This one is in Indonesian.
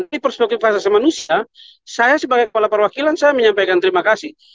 budi perspektif khasnya manusia saya sebagai kepala perwakilan saya menyampaikan terimakasih